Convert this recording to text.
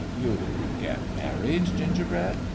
" You'll get married, Gingerbread